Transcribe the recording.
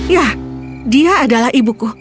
ya dia adalah ibuku